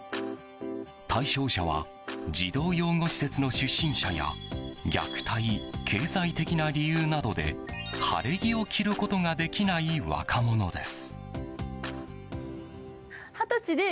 対象者は児童養護施設の出身者や虐待、経済的な理由などで晴れ着を着ることができない若者です。